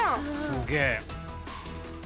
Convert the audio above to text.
すげえ。